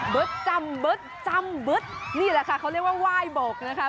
เบิ๊ดจำเบิ๊ดจำเบิ๊ดนี่แหละค่ะเขาเรียกว่าว่ายบกนะคะ